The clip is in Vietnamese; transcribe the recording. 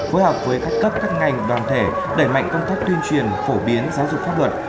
phối hợp với các cấp các ngành đoàn thể đẩy mạnh công tác tuyên truyền phổ biến giáo dục pháp luật